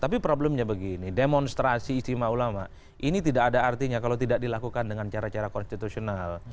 tapi problemnya begini demonstrasi istimewa ulama ini tidak ada artinya kalau tidak dilakukan dengan cara cara konstitusional